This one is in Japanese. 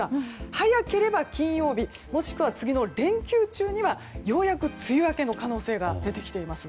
早ければ金曜日もしくは次の連休中にはようやく梅雨明けの可能性が出てきています。